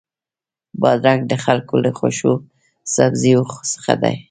بادرنګ د خلکو له خوښو سبزیو څخه دی.